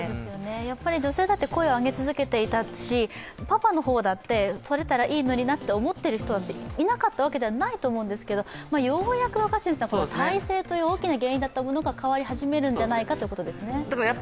やっぱり女性だって声を上げ続けていたしパパの方だって、取れたらいいのになと思っていた人だっていないわけではなかったと思うんですけどようやく体制という大きな原因だったものが変わり始めるんじゃないかということですね。